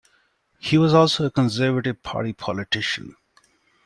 He was also a Conservative Party politician.